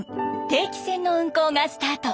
定期船の運航がスタート。